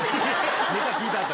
ネタ聞いた後。